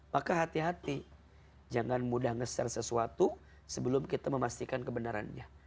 maka hati hati jangan mudah nge share sesuatu sebelum kita memastikan kebenarannya